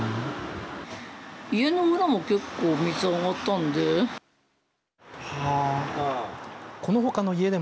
家の裏も結構水上がったんで。